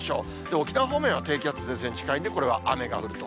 沖縄方面は低気圧、前線が近いんで、これは雨が降ると。